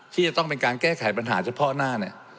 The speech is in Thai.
ที่จะต้องเป็นการแก้ไขปัญหาเฉพาะหน้าเนี่ย